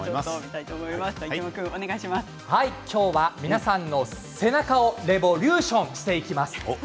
今日は皆さんの背中をレボリューションしていきます。